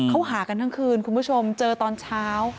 เขาหากันทั้งคืนคุณผู้ชมเจอตอนเช้า